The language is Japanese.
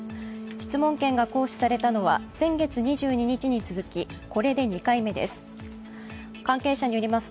質問権が行使されたのは先月２２日に続き、これで２回目です。